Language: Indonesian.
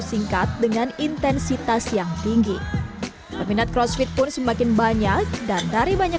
singkat dengan intensitas yang tinggi peminat crossfit pun semakin banyak dan dari banyak